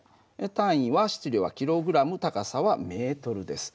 単位は質量はｋｇ高さはｍです。